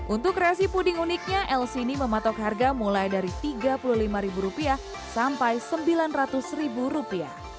untuk kreasi puding uniknya el sini mematok harga mulai dari rp tiga puluh lima sampai rp sembilan ratus